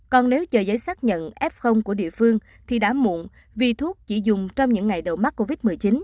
còn nếu chờ giấy xác nhận f của địa phương thì đã muộn vì thuốc chỉ dùng trong những ngày đầu mắc covid một mươi chín